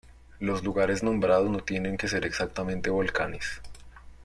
Los lugares nombrados no tienen que ser exactamente volcanes.